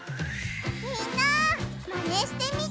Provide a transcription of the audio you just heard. みんなマネしてみてね！